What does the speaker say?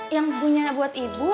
yang punya buat ibu